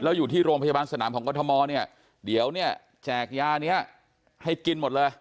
แล้วอยู่ที่โรงพยาบาลสนามของกรทมเนี่ยเดี๋ยวเนี่ยแจกยานี้ให้กินหมดเลย